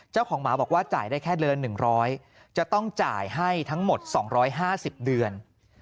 เจ้าของหมาบอกว่าจ่ายได้แค่เดือนละ๑๐๐จะต้องจ่ายให้ทั้งหมด๒๕๐เดือน